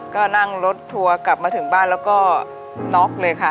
ก็นั่งรถทัวร์กลับมาถึงบ้านแล้วก็น็อกเลยค่ะ